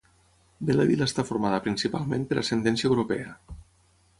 Belleville està formada principalment per ascendència europea.